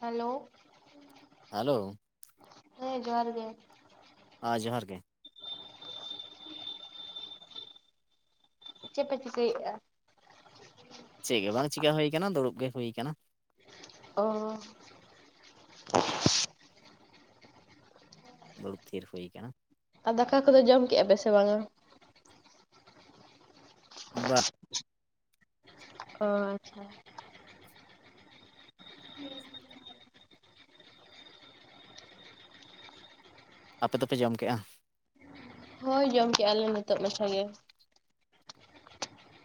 Hello hello ᱦᱮᱸᱻ ᱡᱚᱦᱟᱨ ᱜᱮ, ᱦᱟᱸ ᱡᱚᱦᱟᱨ ᱜᱮ ᱪᱮᱫ ᱯᱮ ᱪᱤᱠᱟᱹ ᱮᱭᱟ ᱪᱮᱫ ᱜᱮ ᱵᱟᱝ ᱪᱮᱠᱟ ᱦᱩᱭ ᱟᱠᱟᱱᱟ ᱫᱩᱲᱩᱵ ᱜᱮ ᱦᱩᱭ ᱟᱠᱟᱱᱟ ᱾ ᱚᱻ ᱫᱩᱲᱩᱵ ᱛᱦᱤᱨ ᱦᱩᱭ ᱠᱟᱱᱟ ᱾ ᱟᱨ ᱫᱟᱠᱟ ᱠᱚᱫᱚ ᱡᱚᱢ ᱠᱮᱫᱼᱟ ᱯᱮ ᱥᱮ ᱵᱟᱝᱟ? ᱵᱟ ᱚ, ᱟᱪᱷᱟ ᱦᱮᱸ ᱟᱯᱮ ᱫᱚ ᱯᱮ ᱡᱚᱢ ᱠᱮᱭᱼᱟ ᱾ ᱦᱳᱭ ᱡᱚᱢ ᱠᱮᱫᱮᱜᱼᱟ ᱞᱮ ᱱᱤᱛᱚᱜ ᱢᱟᱪᱷᱟ ᱜᱮ ᱾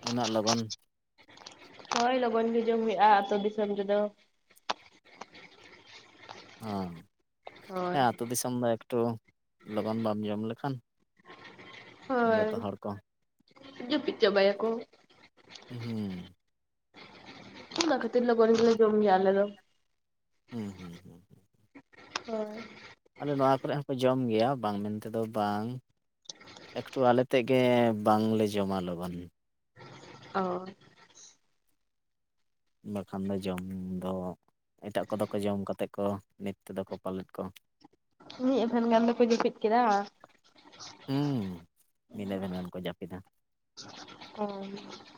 ᱩᱱᱟᱹᱜ ᱞᱚᱜᱚᱱ ᱦᱳᱭ ᱞᱚᱜᱚᱱ ᱜᱮ ᱡᱚᱢ ᱦᱩᱭᱩᱜᱼᱟ ᱟ ᱟᱹᱛᱩᱳ ᱫᱤᱥᱚᱢ ᱨᱮᱫᱚ ᱾ ᱦᱸ ᱦᱳᱭ ᱦᱮᱸ ᱟᱹᱛᱩ ᱫᱤᱥᱚᱢ ᱫᱚ ᱮᱠᱴᱩ ᱞᱚᱜᱚᱱ ᱵᱟᱢ ᱡᱚᱢ ᱞᱮᱠᱷᱟᱱ ᱡᱚᱛᱚ ᱦᱳᱭ, ᱦᱚᱲ ᱠᱚ ᱡᱟᱯᱤᱫ ᱪᱟᱵᱟᱭᱟᱠᱚ ᱾ ᱦᱩᱸ ᱚᱱᱟ ᱚᱱᱟ ᱠᱷᱟᱹᱛᱤᱨ ᱞᱚᱜᱚᱱ ᱜᱮᱞᱮ ᱡᱚᱢ ᱜᱮᱭᱟ ᱟᱞᱮ ᱫᱚ ᱦᱩᱸᱻ ᱦᱩᱸᱻ ᱦᱚᱭ ᱟᱞᱮ ᱱᱚᱣᱟ ᱠᱚᱨᱮ ᱦᱚᱸᱠᱚᱮ ᱡᱚᱢ ᱜᱮᱭᱟ, ᱵᱟᱝ ᱢᱮᱱᱛᱮᱫᱚ ᱵᱟᱝ ᱾ ᱮᱠᱴᱩ ᱟᱞᱮ ᱛᱮᱫ ᱜᱮ ᱵᱟᱝᱞᱮ ᱡᱚᱢᱟᱞᱚᱵᱚᱱ ᱚ ᱵᱟᱠᱷᱟᱱ ᱫᱚ ᱡᱚᱢ ᱫᱚ ᱮᱴᱟᱜ ᱠᱚᱫᱚ ᱠᱚ ᱡᱚᱢ ᱠᱟᱛᱮᱫ ᱠᱚ ᱱᱤᱛ ᱛᱮᱫᱚ ᱠᱚ ᱯᱟᱞᱮᱫ ᱠᱚ ᱾ ᱢᱤᱫ ᱮᱵᱷᱮᱱ ᱜᱟᱱ ᱫᱚᱠᱚ ᱡᱟᱹᱯᱤᱫ ᱠᱮᱫᱟ ᱾ ᱦᱩᱸ ᱢᱤᱫᱤᱫᱟᱹ ᱫᱷᱤᱱ ᱜᱟᱱ ᱠᱚ ᱡᱟᱹᱯᱤᱫᱟ ᱾ ᱦᱩᱸ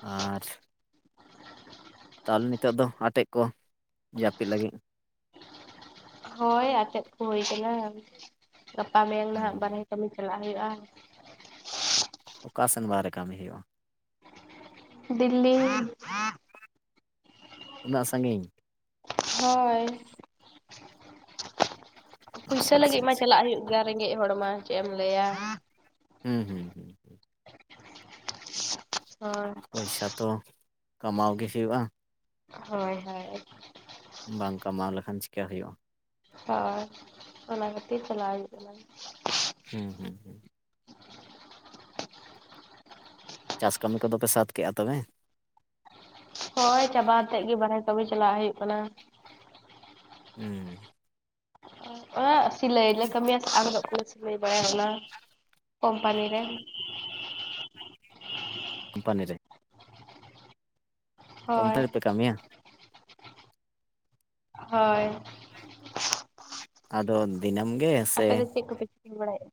ᱟᱪᱷᱟ ᱛᱟᱦᱚᱞᱮ ᱱᱤᱛᱚᱜ ᱫᱚ ᱟᱴᱮᱫ ᱠᱚ ᱡᱟᱹᱯᱤᱫ ᱞᱟᱹᱜᱤᱫ ᱦᱳᱭ ᱟᱛᱮᱫ ᱠᱚ ᱦᱩᱭ ᱟᱠᱟᱱᱟ ᱜᱟᱯᱟ ᱢᱮᱭᱟᱝ ᱱᱟᱦᱟᱜ ᱦᱩᱸ, ᱵᱟᱨᱦᱮ ᱠᱟᱹᱢᱤ ᱪᱟᱞᱟᱜ ᱦᱩᱭᱩᱜᱼᱟ᱾ ᱚᱠᱟ ᱥᱮᱱ ᱵᱟᱦᱨᱮ ᱠᱟᱹᱢᱤ ᱦᱩᱭᱩᱜᱼᱟ? ᱫᱤᱞᱞᱤ ᱩᱱᱟᱹᱜ ᱥᱟᱺᱜᱤᱧ? ᱦᱳᱭ ᱯᱩᱭᱥᱟᱹ ᱟᱪᱪᱷᱟ ᱞᱟᱹᱜᱤᱫ ᱟᱪᱪᱷᱟ ᱢᱟ ᱟᱪᱪᱷᱟ ᱪᱟᱞᱟᱜ ᱦᱩᱭᱩᱜ ᱜᱮᱭᱟ ᱨᱮᱸᱜᱮᱡ ᱦᱚᱲ ᱢᱟ ᱪᱮᱫ ᱮᱢ ᱞᱟᱹᱭᱟ᱾ ᱦᱩᱸ ᱦᱩᱸ ᱦᱩᱸ ᱯᱚᱭᱥᱟ ᱛᱚ ᱠᱟᱢᱟᱣ ᱜᱮ ᱦᱩᱭᱩᱜᱼᱟ᱾ ᱦᱳᱭ ᱦᱳᱭ ᱵᱟᱝ ᱠᱟᱢᱟᱣ ᱞᱮᱠᱷᱟᱱ ᱪᱮᱠᱟ ᱦᱩᱭᱩᱜᱼᱟ᱾ ᱦᱳᱭ ᱚᱱᱟ ᱠᱷᱟᱹᱛᱤᱨ ᱪᱟᱞᱟᱣ ᱦᱩᱭᱩᱜ ᱠᱟᱱᱟ᱾ ᱦᱩᱸ ᱦᱩᱸ ᱦᱩᱸ ᱪᱟᱥ ᱠᱟᱹᱢᱤ ᱠᱚᱫᱚ ᱯᱮ ᱥᱟᱫ ᱠᱮᱫᱼᱟ ᱛᱚᱵᱮ? ᱦᱳᱭ ᱪᱟᱵᱟ ᱠᱟᱛᱮᱫ ᱜᱮ ᱵᱟᱨᱦᱮ ᱠᱟᱹᱢᱤ ᱪᱟᱞᱟᱣ ᱦᱩᱭᱩᱜ ᱠᱟᱱᱟ᱾ ᱦᱩᱸ ᱟᱜ ᱥᱤᱞᱟᱹᱭᱤᱱᱮ ᱠᱟᱹᱢᱤᱭᱟ ᱥᱮ [unintelligible] [unintelligible] ᱥᱤᱞᱟᱹᱭ ᱵᱟᱲᱟᱭ ᱚᱱᱟ ᱠᱳᱢᱯᱟᱱᱤ ᱨᱮ᱾ ᱠᱳᱢᱯᱟᱱᱤ ᱨᱮ ᱦᱳᱭ ᱠᱳᱢᱯᱟᱱᱤ ᱨᱮᱯᱮ ᱠᱟᱹᱢᱤᱭᱟ? ᱦᱳᱭ ᱟᱫᱚ ᱫᱤᱱᱢ ᱜᱮ ᱥᱮ ᱟᱯᱮ ᱫᱚ ᱪᱮᱫ ᱠᱚᱯᱮ ᱪᱤᱠᱟᱹ ᱵᱟᱲᱟᱭᱼᱟ?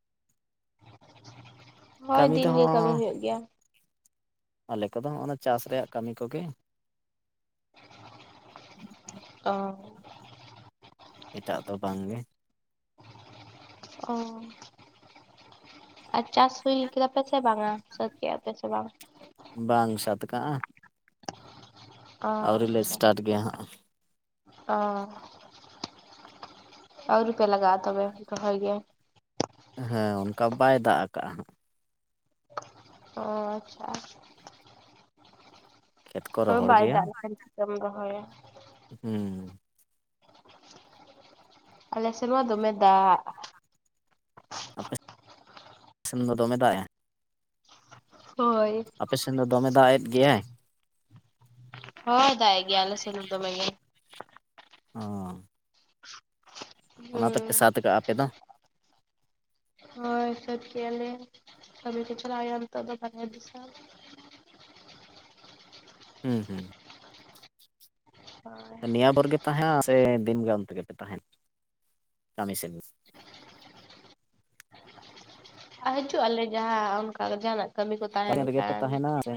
ᱦᱳᱭ ᱠᱟᱹᱢᱤ ᱫᱚ ᱫᱤᱱ ᱜᱮ ᱠᱟᱹᱢᱤ ᱦᱚᱸ ᱦᱩᱭᱩᱜ ᱜᱮᱭᱟ᱾ ᱟᱞᱮ ᱠᱚᱫᱚ ᱦᱚᱸᱜᱱᱟ ᱪᱟᱥ ᱨᱮᱭᱟᱜ ᱠᱟᱹᱢᱤ ᱠᱚᱜᱮ᱾ [inaudible] ᱚ ᱮᱴᱟᱜ ᱫᱚ ᱵᱟᱝᱜᱮ᱾ ᱚ ᱟᱨ ᱪᱟᱥ ᱦᱩᱭ ᱠᱮᱫᱟ ᱯᱮ ᱥᱮ ᱵᱟᱝᱟ ᱥᱟᱹᱛ ᱠᱮᱫᱼᱟ ᱯᱮ ᱥᱮ ᱵᱟᱝᱟ? ᱵᱟᱝ ᱥᱟᱛ ᱠᱟᱜᱼᱟ᱾ ᱚ ᱟᱹᱣᱨᱤ ᱞᱮ ᱟᱪᱪᱷᱟ ᱥᱴᱟᱴ ᱜᱮᱭᱟ ᱦᱟᱸᱜ᱾ ᱚ ᱟᱹᱣᱨᱤ ᱯᱮ ᱞᱟᱜᱟᱣ-ᱟ ᱛᱚᱵᱮ ᱨᱚᱦᱟᱭ ᱜᱮ᱾ ᱦᱮᱸ ᱚᱱᱠᱟ ᱵᱟᱭ ᱫᱟᱜ ᱟᱠᱟᱫ-ᱟ᱾ ᱚ ᱟᱪᱪᱷᱟ ᱠᱷᱮᱛᱼᱼ ᱛᱚᱵᱮ ᱵᱟᱭ ᱫᱟᱜ ᱠᱷᱟᱱ ᱪᱮᱫ ᱡᱚᱢ ᱨᱚᱦᱚᱭᱟ᱾ ᱦᱮᱸ ᱟᱞᱮ ᱥᱮᱱ ᱢᱟ ᱫᱚᱢᱮ ᱫᱟᱜ᱾ ᱟᱯᱮ ᱥᱮᱱ ᱫᱚ ᱫᱚᱢᱮ ᱫᱚᱜ ᱮ ᱦᱳᱭ ᱟᱯᱮᱥᱮᱱ ᱫᱚ ᱫᱚᱢᱮ ᱫᱟᱜ ᱮᱫ ᱜᱮᱭᱟᱭ? ᱦᱚᱭ ᱫᱟᱜ ᱮ ᱜᱮᱭᱟᱭ ᱟᱞᱮ ᱥᱮᱱ ᱫᱚᱢᱮ ᱜᱮ᱾ ᱚ ᱚᱱᱟ ᱛᱮᱯᱮ ᱦᱩᱸ ᱥᱟᱛ ᱠᱟᱜᱼᱟ ᱟᱯᱮ ᱫᱚ ᱡᱚᱢ ᱥᱟᱹᱛ ᱠᱮᱭᱟᱞᱮ ᱠᱟᱢᱤ ᱠᱚ ᱪᱷᱟᱞᱟᱜ ᱦᱩᱭᱩᱜ-ᱟ ᱱᱤᱛᱚᱜ ᱫᱚ ᱵᱟᱨᱦᱮ ᱫᱤᱥᱟᱢ᱾ ᱦᱩᱸ ᱦᱩᱸ ᱦᱳᱭ ᱱᱤᱭᱟᱹ ᱵᱷᱳᱨ ᱜᱮ ᱛᱟᱦᱮᱸᱱᱟ ᱥᱮ ᱫᱤᱱᱜᱟᱱ ᱛᱮᱜᱮ ᱯᱮ ᱛᱟᱦᱮᱸᱱᱟ ᱠᱟᱹᱢᱤ ᱥᱮᱫ? ᱟᱨ ᱦᱤᱡᱩᱜ ᱟᱞᱮ ᱡᱟᱦᱟᱸ ᱚᱱᱠᱟ ᱡᱟᱦᱟᱱᱟᱜ ᱠᱟᱹᱢᱤ ᱠᱚ ᱛᱟᱦᱮᱱ ᱨᱮᱜᱮ ᱯᱮ ᱠᱷᱟᱱ᱾ ᱛᱟᱦᱮᱸᱱᱟ ᱥᱮ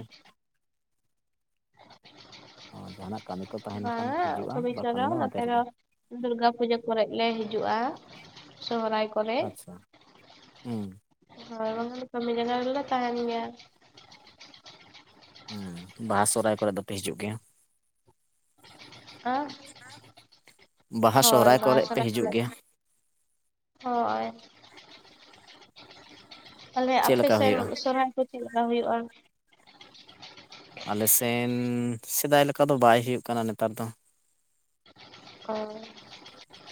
ᱚ ᱡᱟᱦᱟᱱᱟᱜ ᱠᱟᱹᱢᱤ ᱠᱚ ᱛᱟᱦᱮᱸᱱ ᱠᱷᱟᱱ ᱵᱟᱝ ᱦᱤᱡᱩᱜᱼᱟ ᱠᱚᱵᱤᱥᱚ ᱵᱟᱠᱷᱟᱱ ᱦᱚᱸ ᱚᱱᱛᱮ ᱱᱚᱛᱮ ᱫᱚ ᱨᱮᱜᱮ ᱫᱩᱨᱜᱟ ᱯᱩᱡᱟᱹ ᱠᱚᱨᱮ ᱜᱮᱞᱮ ᱦᱤᱡᱩᱜᱼᱟ᱾ ᱥᱚᱦᱨᱟᱭ ᱠᱚᱨᱮ ᱟᱪᱪᱷᱟ ᱦᱩᱸ ᱦᱳᱭ ᱵᱟᱝᱠᱷᱟᱱ ᱠᱟᱹᱢᱤ ᱡᱟᱭᱜᱟ ᱨᱮᱞᱮ ᱛᱟᱦᱮᱸᱱ ᱜᱮᱭᱟ ᱵᱟᱦᱟ ᱥᱚᱦᱚᱨᱟᱭ ᱠᱚᱨᱮ ᱫᱚ ᱯᱮ ᱦᱤᱡᱩᱜ ᱜᱮᱭᱟ ᱟᱨ ᱵᱟᱦᱟ ᱦᱳᱭ ᱥᱚᱨᱦᱟᱭ ᱠᱚ ᱵᱟᱦᱟ ᱨᱮ ᱯᱮ ᱥᱚᱦᱨᱟᱭ ᱦᱤᱡᱩᱜ ᱦᱤᱞᱳᱜ ᱜᱮᱭᱟ ᱦᱳᱭ ᱛᱟᱦᱚᱞᱮ ᱪᱮᱫ ᱟᱯᱮ ᱞᱮᱠᱟ ᱥᱮᱱ ᱦᱩᱭᱩᱜᱼᱟ ᱥᱚᱨᱦᱟᱭ ᱠᱚ ᱪᱮᱫ ᱞᱮᱠᱟ ᱦᱩᱭᱩᱜᱼᱟ ᱟᱞᱮ ᱥᱮᱱ ᱥᱮᱫᱟᱭ ᱞᱮᱠᱟ ᱫᱚ ᱵᱟᱭ ᱦᱩᱭᱩᱜ ᱠᱟᱱᱟ ᱱᱮᱛᱟᱨ ᱫᱚ ᱚ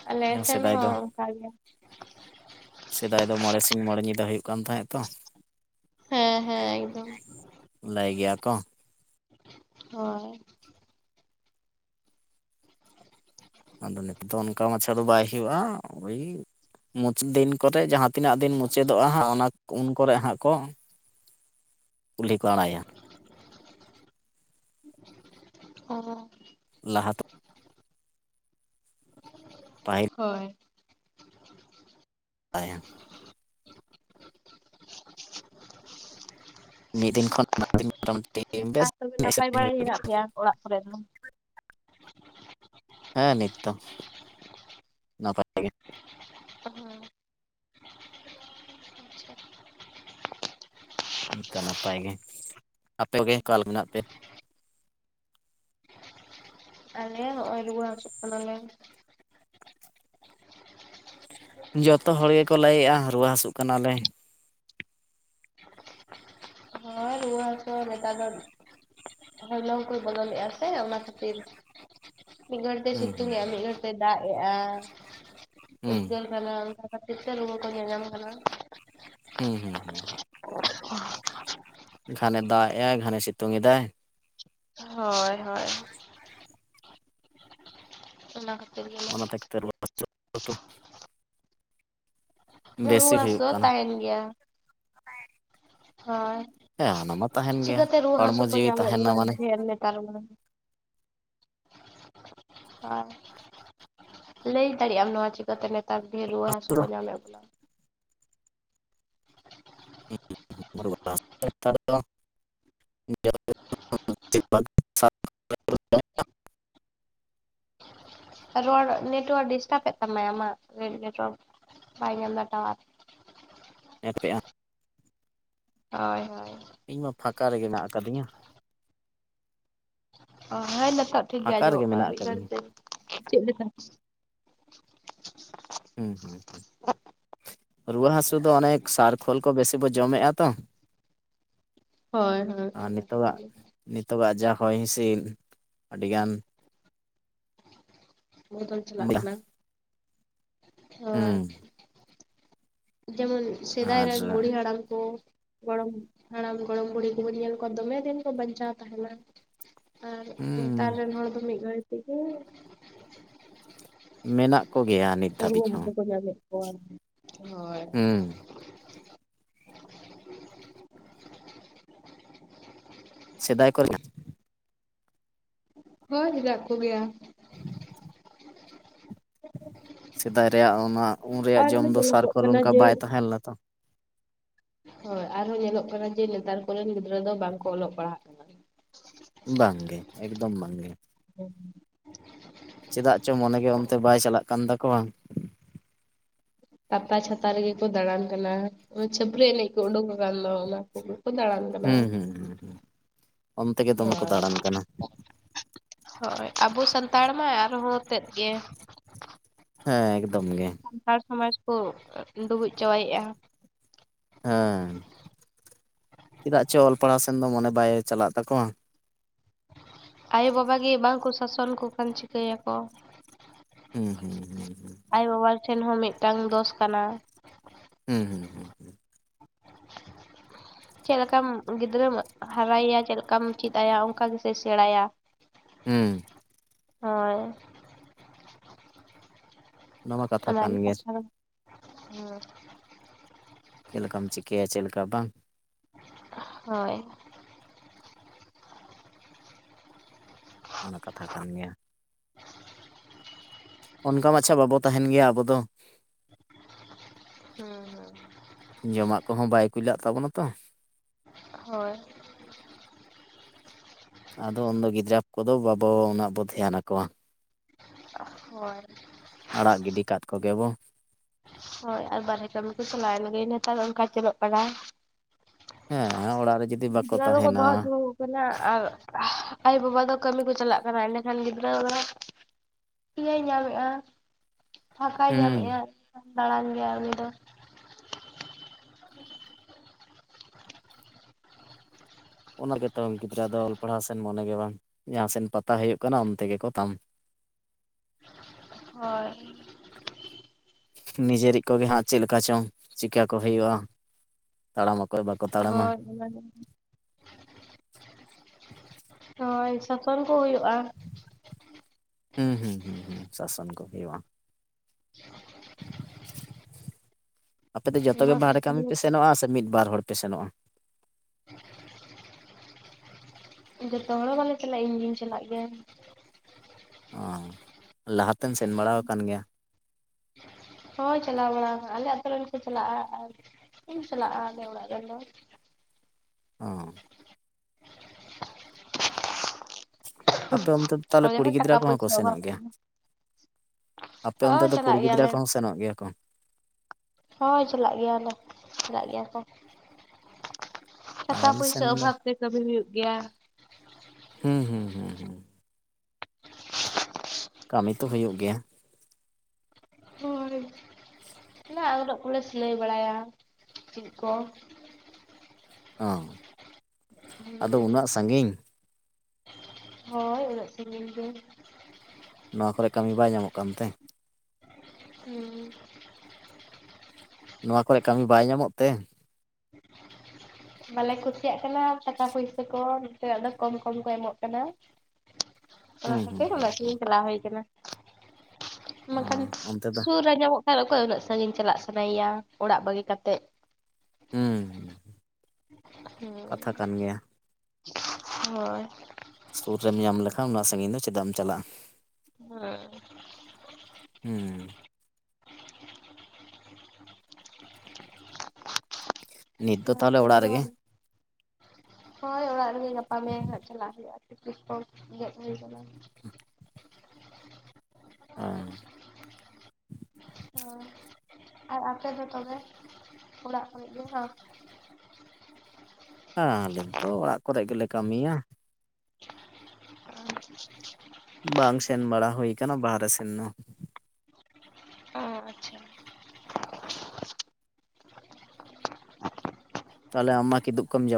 ᱟᱞᱮ ᱡᱟᱦᱟᱸ ᱥᱮᱱ ᱥᱮᱫᱟᱭ ᱦᱚᱸ ᱫᱚ ᱚᱝᱠᱟ ᱜᱮ ᱥᱮᱫᱟᱭ ᱫᱚ ᱢᱚᱬᱮ ᱥᱤᱧ ᱢᱚᱬᱮ ᱧᱤᱫᱟᱹ ᱦᱩᱭᱩᱜ ᱠᱟᱱ ᱛᱟᱦᱮᱸᱜ-ᱟ ᱛᱚ ᱦᱮᱸ ᱦᱮᱸ ᱮᱠᱫᱚᱢ ᱞᱟᱹᱭ ᱜᱮᱭᱟ ᱠᱚ ᱦᱳᱭ ᱟᱫᱚ ᱱᱤᱛᱳᱜ ᱫᱚ ᱚᱱᱠᱟ ᱢᱟᱪᱷᱟ ᱫᱚ ᱵᱟᱭ ᱦᱩᱭᱩᱜᱼᱟ ᱳᱭ ᱢᱩᱪᱟᱹᱫ ᱫᱤᱱ ᱠᱚᱨᱮ ᱡᱟᱦᱟᱸ ᱛᱤᱱᱟᱹᱜ ᱫᱤᱱ ᱢᱩᱪᱟᱹᱫᱚᱜᱼᱟ ᱦᱟᱸᱜ ᱚᱱᱟ ᱩᱱ ᱠᱚᱨᱮ ᱦᱟᱸᱜ ᱠᱚ ᱠᱩᱞᱦᱤ ᱠᱚ ᱟᱲᱟᱭᱟ ᱚ ᱞᱟᱦᱟᱛᱮ ᱯᱟᱹᱦᱤᱞ ᱦᱳᱭ ᱛᱟᱭᱟ ᱢᱤᱫ ᱫᱤᱱ ᱠᱷᱚᱱ ᱵᱟᱨ ᱫᱤᱱ ᱢᱚᱴᱟᱢᱩᱴᱤ ᱟᱨ ᱵᱮᱥ ᱛᱚᱵᱮ ᱮᱱᱮᱡ ᱱᱟᱯᱟᱭ ᱥᱮᱨᱮᱧ ᱵᱟᱲᱟ ᱜᱮ ᱦᱩᱭᱩᱜ ᱦᱮᱱᱟᱜ ᱯᱮᱭᱟ ᱚᱲᱟᱜ ᱠᱚᱨᱮ ᱫᱚ ᱦᱮᱸ ᱱᱤᱛ ᱫᱚ ᱱᱟᱯᱟᱭ ᱜᱮ ᱦᱮᱸ‌ ᱛᱚ ᱱᱟᱯᱟᱭ ᱜᱮ ᱟᱯᱮ ᱜᱮ ᱚᱠᱟᱞ ᱢᱮᱱᱟᱜ ᱯᱮᱭᱟ ᱟᱞᱮ ᱦᱚᱸᱜ-ᱚᱭ ᱨᱩ ᱨᱩᱣᱟᱹ ᱦᱟᱹᱥᱩᱜ ᱠᱟᱱᱟᱞᱮ ᱡᱚᱛᱚ ᱦᱚᱲ ᱜᱮᱠᱚ ᱞᱟᱹᱭᱮᱜᱼᱟ ᱨᱩᱣᱟᱹ ᱦᱟᱹᱥᱩᱜ ᱠᱟᱱᱟᱞᱮ ᱦᱮᱹ ᱨᱩᱣᱟᱹ ᱦᱟᱥᱩ ᱦᱚᱸ ᱱᱮᱛᱟᱨ ᱫᱚ ᱦᱚᱭ ᱞᱚᱝ ᱠᱚᱭ ᱵᱚᱫᱚᱞᱮᱜᱼᱟ ᱥᱮ ᱚᱱᱟ ᱠᱷᱟᱹᱛᱤᱨ, ᱢᱤᱫ ᱜᱷᱟᱹᱲᱤᱡ ᱛᱮ ᱦᱩᱸ ᱥᱤᱛᱩᱝ ᱦᱩᱸ ᱮᱜᱼᱟ ᱢᱤᱫ ᱜᱷᱟᱹᱲᱤᱡ ᱫᱟᱜ ᱮᱼᱟ ᱦᱩᱸ ᱩᱫᱜᱟᱹᱨ ᱠᱟᱱᱟ, ᱚᱱᱠᱟ ᱠᱷᱟᱹᱛᱤᱨ ᱛᱮ ᱨᱩᱣᱟᱹ ᱠᱚ ᱧᱟᱧᱟᱢ ᱠᱟᱱᱟ᱾ ᱦᱩᱸ ᱦᱩᱸ ᱦᱩᱸ ᱦᱩᱸ ᱜᱷᱟᱱᱮ ᱫᱟᱜ ᱮᱜ-ᱟᱭ ᱜᱷᱟᱱᱮ ᱥᱤᱛᱩᱝ ᱮᱫᱟᱭ ᱦᱳᱭ ᱦᱳᱭ [unintelligible] ᱚᱱᱟᱛᱮᱜᱮᱛᱚ [inaudible] ᱵᱮᱥᱤ ᱨᱩᱣᱟᱹ ᱦᱩᱭᱩᱜ ᱦᱟᱥᱩ ᱦᱚᱸ ᱠᱟᱱᱟ ᱛᱟᱦᱮᱱ ᱜᱮᱭᱟ ᱦᱳᱭ ᱦᱮᱸ ᱚᱱᱟ ᱢᱟ ᱛᱟᱦᱮᱱ ᱜᱮᱭᱟ ᱪᱤᱠᱟᱹᱛᱮ ᱨᱩᱣᱟᱹ ᱦᱟᱹᱥᱩ ᱦᱚᱲᱢᱚ ᱠᱚ ᱡᱤᱣᱤ ᱧᱟᱢᱮᱫ ᱵᱚᱱᱟ ᱛᱟᱦᱮᱱᱟ ᱢᱟᱱᱮ ᱰᱷᱮᱨ ᱱᱮᱛᱟᱨ ᱢᱟ ᱟᱨ ᱞᱟᱹᱭ ᱫᱟᱲᱮᱭᱟᱜ-ᱟᱢ ᱱᱚᱣᱟ ᱪᱤᱠᱟᱛᱮ ᱱᱮᱛᱟᱨ ᱜᱮ ᱨᱩᱣᱟᱹ ᱦᱟᱹᱥᱩ ᱠᱚ ᱯᱮᱜᱼᱟ ᱧᱟᱢᱮᱫ ᱵᱚᱱᱟ [unintelligible] ᱱᱮᱛᱟᱨ ᱫᱚ [unintelligible] ᱨᱚᱲ ᱱᱮᱴᱣᱟᱨᱠ ᱰᱤᱥᱴᱟᱵᱮᱫ ᱛᱟᱢᱟᱭ ᱟᱢᱟᱜ ᱨᱮ ᱱᱮᱴᱣᱟᱨᱠ ᱵᱟᱭ ᱧᱟᱢᱫᱟ ᱴᱟᱣᱟᱨ ᱮᱢ ᱠᱮᱜ-ᱟᱢ ᱦᱳᱭ ᱦᱳᱭ ᱤᱧ ᱢᱟ ᱯᱷᱟᱸᱠᱟ ᱨᱮᱜᱮ ᱢᱮᱱᱟᱜ ᱟᱠᱟᱫᱤᱧᱟ᱾ ᱚ, ᱦᱳᱭ ᱱᱤᱛᱚᱜ ᱴᱷᱤᱠ ᱜᱮ ᱯᱷᱟᱸᱠᱟ ᱟᱸᱡᱚᱢᱚᱜ ᱨᱮᱜᱮ ᱠᱟᱱᱟᱼᱟ ᱢᱮᱱᱟᱜ ᱢᱤᱫ ᱜᱷᱟᱹᱲᱤᱡ ᱟᱠᱟᱫᱤᱧᱟ ᱛᱮ ᱪᱮᱫ ᱞᱮᱠᱟ ᱦᱩᱸ ᱦᱩᱸ ᱦᱩᱸ [unintelligible] ᱨᱩᱣᱟᱹ ᱦᱟᱹᱥᱩ ᱫᱚ ᱚᱱᱮᱠ ᱥᱟᱨ ᱠᱷᱳᱞ ᱠᱚ ᱵᱮᱥᱤ ᱵᱚ ᱡᱚᱢᱮᱜᱼᱟ ᱛᱚ ᱦᱳᱭ ᱦᱳᱭ ᱟᱨ ᱚᱱᱟ ᱠᱷᱟᱹᱛᱤᱨ ᱱᱤᱛᱚᱜᱟᱜ ᱜᱮ ᱱᱤᱛᱚᱜᱟᱜ ᱡᱟ ᱦᱚᱭ ᱦᱤᱸᱥᱤᱫ ᱟᱹᱰᱤᱜᱟᱱ ᱵᱚᱫᱚᱞ ᱪᱟᱞᱟᱜ ᱠᱟᱱᱟ ᱦᱳᱭ ᱦᱩᱸ ᱡᱮᱢᱚᱱ ᱥᱮᱫᱟᱭ ᱟᱨ ᱨᱮᱱ ᱵᱩᱲᱦᱤ ᱦᱟᱲᱟᱢ ᱠᱚ ᱜᱚᱲᱚᱢ ᱦᱟᱲᱟᱢ ᱜᱚᱲᱚᱢ ᱵᱩᱲᱦᱤ ᱠᱚᱵᱚᱱ ᱧᱮᱞ ᱠᱚᱣᱟ ᱫᱚᱢᱮ ᱫᱤᱱ ᱠᱚ ᱵᱟᱧᱪᱟᱣ ᱛᱟᱦᱮᱸᱱᱟ᱾ ᱟᱨ ᱱᱮᱛᱟᱨ ᱦᱩᱸ ᱨᱮᱱ ᱦᱚᱲ ᱫᱚ ᱢᱤᱫ ᱜᱷᱟᱹᱲᱤ ᱛᱤᱜᱤ ᱢᱮᱱᱟᱜ ᱠᱚᱜᱮᱭᱟ ᱱᱤᱛ ᱫᱷᱟᱹᱵᱤᱡ ᱦᱚᱸ ᱡᱚᱜᱟᱡᱚᱜ ᱠᱚ ᱦᱚᱭ ᱦᱩᱸ ᱥᱮᱫᱟᱭ ᱠᱚᱨᱮ ᱱᱟᱜ ᱦᱚᱭ ᱦᱮᱱᱟᱜ ᱠᱚ ᱜᱮᱭᱟ ᱥᱮᱫᱟᱭ ᱨᱮᱭᱟᱜ ᱚᱱᱟ ᱩᱱ ᱨᱮᱭᱟᱜ ᱡᱚᱢ ᱟᱨᱦᱚᱸ ᱫᱚ ᱧᱮᱞᱚᱜᱚᱜ ᱥᱟᱨᱠᱚ ᱠᱟᱱᱟ ᱚᱱᱠᱟ ᱵᱟᱭ ᱛᱟᱦᱮᱸ ᱞᱮᱱᱟ ᱛᱚ᱾ ᱦᱚᱭ ᱟᱨᱦᱚᱸ ᱧᱮᱞᱚᱜ ᱠᱟᱱᱟ ᱡᱮ ᱱᱮᱛᱟᱨ ᱠᱚᱨᱮᱱ ᱜᱤᱫᱽᱨᱟᱹ ᱫᱚ ᱵᱟᱝᱠᱚ ᱚᱞᱚᱜ ᱯᱟᱲᱦᱟᱜ ᱠᱟᱱᱟ᱾ ᱵᱟᱝᱜᱮ ᱮᱠᱫᱚᱢ ᱵᱟᱝᱜᱮ [inaudible] ᱪᱮᱫᱟᱜ ᱪᱚᱝ ᱢᱚᱱᱮᱜᱮ ᱚᱱᱛᱮ ᱵᱟᱭ ᱪᱟᱞᱟᱜ ᱠᱟᱱ ᱛᱟᱠᱚᱶᱟ ᱯᱟᱛᱟ ᱪᱷᱟᱛᱟ ᱨᱮᱜᱮ ᱠᱚ ᱫᱟᱬᱟᱱ ᱠᱟᱱᱟ ᱪᱷᱟᱹᱯᱨᱤ ᱮᱱᱮᱡ ᱠᱚ ᱩᱰᱩᱠ ᱟᱠᱟᱱ ᱫᱚ ᱚᱱᱟ ᱩᱱᱡᱩ ᱠᱚ ᱫᱟᱲᱟᱱ ᱠᱟᱱᱟ ᱦᱩᱸ ᱦᱟᱸ ᱦᱩᱸ ᱦᱩᱸ ᱚᱱᱛᱮ ᱜᱮ ᱫᱚᱢᱮ ᱠᱚ ᱫᱟᱬᱟᱱ ᱠᱟᱱᱟ ᱦᱚᱭ ᱟᱵᱚ ᱥᱟᱱᱛᱟᱲ ᱢᱟ ᱟᱨᱦᱚᱸ ᱛᱮᱫ ᱜᱮ ᱦᱮᱸ ᱮᱠᱫᱚᱢ ᱜᱮ ᱥᱟᱱᱛᱟᱲ ᱥᱚᱢᱟᱡᱽ ᱠᱚ ᱰᱩᱵᱩᱡ ᱪᱟᱵᱟᱭᱮᱫᱼᱟ ᱦᱮᱸ ᱪᱮᱫᱟᱜ ᱪᱚ ᱚᱞ ᱯᱟᱲᱦᱟᱣ ᱥᱮᱱ ᱫᱚ ᱢᱚᱱᱮ ᱵᱟᱭ ᱪᱟᱞᱟᱜ ᱛᱟᱠᱚᱣᱟ ᱟᱭᱚ ᱵᱟᱵᱟ ᱜᱮ ᱵᱟᱝᱠᱚ ᱥᱟᱥᱚᱱ ᱠᱚ ᱠᱷᱟᱱ ᱪᱤᱠᱟᱹᱭᱟᱠᱚ᱾ ᱦᱩᱸ ᱦᱩᱸ ᱦᱩᱸ ᱟᱭᱚ ᱵᱟᱵᱟ ᱴᱷᱮᱱ ᱦᱚᱸ ᱢᱤᱫᱴᱟᱝ ᱫᱚᱥ ᱠᱟᱱᱟ᱾ ᱦᱩᱸ [inaudible] ᱪᱮᱫ ᱞᱮᱠᱟᱢ ᱜᱤᱫᱽᱨᱟᱹᱢ ᱦᱟᱨᱟᱭᱮᱭᱟ ᱪᱮᱫ ᱞᱮᱠᱟᱢ ᱪᱮᱫ ᱟᱭᱟ ᱚᱱᱠᱟ ᱜᱮᱥᱮ ᱥᱮᱬᱟᱭᱟ [inaudible] ᱦᱩᱸ ᱦᱚᱭ ᱚᱱᱟ ᱢᱟ ᱠᱟᱛᱷᱟ ᱠᱟᱱ ᱚᱟᱜᱮ ᱜᱮᱭᱟ ᱠᱟᱛᱷᱟ ᱦᱩᱸ ᱪᱮᱫ ᱞᱮᱠᱟᱢ ᱪᱤᱠᱟᱹᱭᱟ ᱪᱮᱫ ᱞᱮᱠᱟ ᱵᱟᱝ? ᱦᱚᱭ ᱚᱱᱟ ᱠᱟᱛᱷᱟ ᱠᱟᱱ ᱜᱮᱭᱟ [inaudible] ᱚᱱᱠᱟ ᱢᱟᱪᱷᱟ ᱵᱟᱵᱚ ᱛᱟᱦᱮᱱ ᱜᱮᱭᱟ ᱟᱵᱚ ᱫᱚ᱾ ᱦᱩᱸ ᱦᱩᱸ ᱡᱚᱢᱟᱜ ᱠᱚᱦᱚᱸ ᱵᱟᱭ ᱠᱩᱞᱟᱜ ᱛᱟᱵᱚᱱᱟ ᱛᱚ ᱦᱚᱭ ᱟᱫᱚ ᱩᱱᱫᱚ ᱜᱤᱫᱽᱨᱟᱹᱵ ᱠᱚᱫᱚ ᱵᱟᱵᱚ ᱩᱱᱟᱹᱜ ᱵᱚ ᱫᱷᱮᱭᱟᱱ ᱟᱠᱚᱣᱟ ᱦᱚᱭ ᱟᱲᱟᱜ ᱜᱤᱰᱤ ᱠᱟᱫ ᱠᱚᱜᱮᱵᱚ ᱦᱚᱭ ᱟᱨ ᱵᱟᱨᱦᱮ ᱠᱟᱹᱢᱤ ᱠᱚ ᱪᱟᱞᱟᱣᱮᱱ ᱜᱮ ᱱᱮᱛᱟᱨ ᱚᱱᱠᱟ ᱪᱚᱞᱚᱜ ᱠᱟᱱᱟ ᱦᱮᱸ ᱚᱲᱟᱜ ᱨᱮ ᱡᱩᱫᱤ ᱵᱟᱠᱚ ᱜᱤᱫᱽᱨᱟᱹ ᱫᱚᱠᱚ ᱛᱟᱦᱮᱱᱟ ᱫᱚᱦᱚ ᱦᱚᱴᱚ ᱟᱠᱚ ᱠᱟᱱᱟ ᱟᱨ ᱟᱭᱚ-ᱵᱟᱵᱟ ᱫᱚ ᱠᱟᱹᱢᱤ ᱠᱚ ᱪᱟᱞᱟᱜ ᱠᱟᱱᱟ ᱮᱸᱰᱮᱠᱷᱟᱱ ᱜᱤᱫᱽᱨᱟᱹ ᱫᱚ ᱯᱤᱭᱟᱭ ᱧᱟᱢᱮᱜᱼᱟ ᱯᱷᱟᱸᱠᱟᱭ ᱧᱟᱢᱮᱜᱼᱟ ᱦᱩᱸ ᱫᱟᱬᱟᱱ ᱜᱮᱭᱟᱭ ᱩᱱᱤ ᱫᱚ᱾ ᱚᱱᱟ ᱜᱮᱛᱚ ᱜᱤᱫᱽᱨᱟᱹ ᱫᱚ ᱚᱞ ᱯᱟᱲᱦᱟᱣ ᱥᱮᱫ ᱢᱚᱱᱮ ᱜᱮ ᱵᱟᱝ, ᱡᱟᱦᱟᱸ ᱥᱮᱱ ᱯᱟᱛᱟ ᱦᱩᱭᱩᱜ ᱠᱟᱱᱟ ᱚᱱᱛᱮ ᱜᱮᱠᱚ ᱛᱟᱢ᱾ ᱦᱳᱭ᱾ ᱱᱤᱡᱮᱨᱤᱡ ᱠᱚᱜᱮ ᱦᱟᱸᱜ ᱪᱮᱫ ᱞᱮᱠᱟ ᱪᱚ ᱪᱤᱠᱟ. ᱠᱚ ᱦᱩᱭᱩᱜᱼᱟ ᱛᱟᱲᱟᱢ ᱚᱠᱚᱭ ᱵᱟᱠᱚ ᱛᱟᱲᱟᱢᱟ ᱚᱱᱟ ᱜᱮ ᱦᱚᱭ ᱥᱟᱥᱚᱱ ᱠᱚ ᱦᱩᱭᱩᱜᱼᱟ ᱦᱩᱸ ᱦᱩᱸ ᱦᱩᱸ ᱦᱩᱸ ᱥᱟᱥᱟᱱ ᱠᱚ ᱦᱩᱭᱩᱜᱼᱟ᱾ [inaudible] ᱟᱯᱮ ᱫᱚ ᱡᱚᱛᱚ ᱚᱱᱟ ᱜᱮ ᱵᱟᱦᱨᱮ ᱥᱟᱥᱚᱱ ᱠᱟᱹᱢᱤ ᱯᱮ ᱥᱮᱱᱚᱜᱼᱟ ᱥᱮ ᱢᱤᱫ ᱵᱟᱨ ᱦᱚᱲ ᱯᱮ ᱥᱮᱱᱚᱜᱼᱟ ᱡᱚᱛᱚ ᱦᱚᱲ ᱵᱟᱞᱮ ᱪᱟᱞᱟᱜ ᱤᱧ ᱜᱤᱧ ᱪᱟᱞᱟᱜ ᱜᱮᱭᱟ᱾ ᱚ ᱞᱟᱦᱟᱛᱮᱢ ᱥᱮᱱ ᱵᱟᱲᱟᱣ ᱟᱠᱟᱱ ᱜᱮᱭᱟ᱾ ᱦᱚᱭ ᱪᱟᱞᱟᱣ ᱵᱟᱲᱟᱣᱟᱠ ᱟᱞᱮ ᱟᱛᱚ ᱨᱮᱱ ᱠᱚ ᱪᱟᱞᱟᱜᱼᱟ ᱟᱨ ᱤᱧ ᱥᱟᱞᱟᱜ ᱟᱞᱮ ᱚᱲᱟᱜ ᱨᱤᱱ ᱫᱚ᱾ ᱚᱸ ᱟᱯᱮ ᱚᱱᱛᱮ ᱫᱚ ᱛᱟᱦᱚᱞᱮ ᱚᱸᱰᱮ ᱦᱚᱸ ᱠᱩᱲᱤ ᱴᱟᱠᱟ ᱜᱤᱫᱽᱨᱟᱹ ᱠᱚᱦᱚᱸ ᱠᱚ ᱯᱩᱭᱥᱟᱹ ᱚᱵᱷᱟᱵ ᱥᱮᱱᱚᱜ ᱛᱮ ᱜᱮᱭᱟ? ᱟᱯᱮ ᱚᱱᱛᱮ ᱦᱚᱸ ᱫᱚ ᱪᱟᱞᱟᱜ ᱠᱩᱲᱤ ᱜᱤᱫᱽᱨᱟᱹ ᱜᱮᱭᱟᱞᱮ ᱠᱚᱦᱚᱸ ᱥᱮᱱᱚᱜ ᱜᱮᱭᱟ ᱠᱚ᱾ ᱦᱳᱭ ᱪᱟᱞᱟᱜ ᱜᱮᱭᱟᱞᱮ, ᱪᱟᱞᱟᱜ ᱜᱮᱭᱟ ᱠᱚ᱾ ᱟᱨ ᱴᱟᱠᱟ ᱟᱞᱮ ᱯᱚᱭᱥᱟ ᱥᱮᱱ ᱫᱚ ᱚᱵᱷᱟᱵ ᱛᱮ ᱠᱟᱹᱢᱤ ᱦᱩᱭᱩᱜ ᱜᱮᱭᱟ᱾ ᱦᱩᱸ ᱦᱩᱸ ᱦᱩᱸ ᱦᱩᱸ ᱠᱟᱹᱢᱤ ᱛᱚ ᱦᱩᱭᱩᱜ ᱜᱮᱭᱟ᱾ ᱦᱳᱭ ᱚᱱᱟ ᱟᱝᱨᱚᱜ ᱠᱚᱞᱮ ᱥᱤᱞᱟᱹᱭ ᱵᱟᱲᱟᱭᱟ ᱪᱮᱫ ᱠᱚ᱾ ᱚ, ᱦᱩᱸ ᱟᱫᱚ ᱩᱱᱟᱹᱜ ᱥᱟᱺᱜᱤᱧ? ᱦᱳᱭ ᱩᱱᱟᱹᱜ ᱥᱟᱺᱜᱤᱧ ᱜᱮ᱾ ᱱᱚᱣᱟ ᱠᱚᱨᱮ ᱠᱟᱹᱢᱤ ᱵᱟᱭ ᱧᱟᱢᱚᱜ ᱠᱟᱱ ᱛᱮ? ᱦᱮᱸ [inaudible] ᱱᱚᱣᱟ ᱠᱚᱨᱮ ᱠᱟᱹᱢᱤ ᱵᱟᱭ ᱧᱟᱢᱚᱜ ᱛᱮ? [inaudible] ᱵᱟᱞᱮ ᱠᱩᱥᱤᱭᱟᱜ ᱠᱟᱱᱟ ᱴᱟᱠᱟ ᱯᱩᱭᱥᱟᱹ ᱠᱚ, ᱱᱚᱛᱮ ᱠᱚᱢ ᱠᱚᱢ ᱠᱚ ᱮᱢᱚᱜ ᱠᱟᱱᱟ᱾ ᱚᱱᱟ ᱦᱩᱸ ᱦᱩᱸ ᱠᱷᱟᱹᱛᱤᱨ ᱦᱩᱸ ᱩᱱᱟᱹᱜ ᱦᱩᱸ ᱥᱟᱺᱜᱤᱧ ᱪᱟᱞᱟᱣ ᱦᱩᱭ ᱠᱟᱱᱟ᱾ ᱚ ᱱᱚᱝᱠᱟ ᱫᱚ ᱚᱱᱛᱮ ᱫᱚ ᱥᱩᱨ ᱨᱮ ᱧᱟᱢᱚᱜ ᱠᱷᱟᱱ ᱚᱠᱚᱭ ᱩᱱᱟᱹᱜ ᱥᱟᱺᱜᱤᱧ ᱪᱟᱞᱟᱜ ᱥᱟᱱᱟᱭᱮᱭᱟ, ᱚᱲᱟᱜ ᱵᱟᱹᱜᱤ ᱠᱟᱛᱮᱫ᱾ ᱦᱩᱸ ᱦᱩᱸ ᱠᱟᱛᱷᱟ ᱠᱟᱱ ᱜᱮᱭᱟ [inaudible] ᱦᱳᱭ ᱥᱩᱨ ᱨᱮᱢ ᱧᱟᱢ ᱞᱮᱠᱷᱟᱱ ᱚᱱᱟᱹᱜ ᱥᱟᱺᱜᱤᱧ ᱫᱚ ᱪᱮᱫᱟᱜ ᱮᱢ ᱪᱟᱞᱟᱜᱼᱟ᱾ ᱦᱟᱸ ᱦᱩᱸ ᱱᱤᱛ ᱦᱮᱸ ᱫᱚ ᱚᱱᱟ ᱛᱟᱦᱚᱞᱮ ᱠᱷᱟᱹᱛᱤᱨ ᱚᱲᱟᱜ ᱜᱮ ᱨᱮᱜᱮ᱾ ᱦᱳᱭ ᱚᱲᱟᱜ ᱨᱮᱜᱮ ᱜᱟᱯᱟ ᱢᱮᱭᱟᱝ ᱦᱟᱸᱜ ᱪᱟᱞᱟᱜ ᱦᱩᱭᱩᱜᱼᱟ ᱾ ᱴᱤᱠᱴᱤᱠ ᱠᱚ ᱜᱮᱫ ᱦᱩᱭ ᱟᱠᱟᱱᱟ᱾ [unintelligible] ᱦᱚᱸ ᱟᱨ ᱟᱯᱮ ᱫᱚ ᱛᱚᱵᱮ ᱚᱲᱟᱜ ᱠᱚ ᱫᱚ ᱵᱟᱝ᱾ ᱦᱮᱸ ᱟᱞᱮ ᱛᱚ ᱚᱲᱟᱜ ᱠᱚᱨᱮ ᱜᱮᱞᱮ ᱠᱟᱹᱢᱤᱭᱟ᱾ [inaudible] ᱵᱟᱝ ᱥᱮᱱ ᱵᱟᱲᱟ ᱦᱩᱭ ᱠᱟᱱᱟ ᱵᱟᱦᱨᱮ ᱥᱮᱱ ᱦᱚᱸ᱾ ᱚ ᱟᱪᱪᱷᱟ ᱛᱟᱦᱚᱞᱮ ᱟᱢ ᱢᱟ ᱠᱤᱵᱩᱜ ᱠᱚᱢ ᱡᱚᱢ,